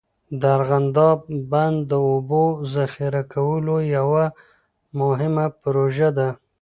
د ارغنداب بند د اوبو ذخیره کولو یوه مهمه پروژه ده.